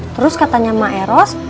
terus katanya maeros